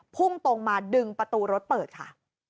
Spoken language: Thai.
พุ่งตรงมาดึงประตูรถเปิดค่ะ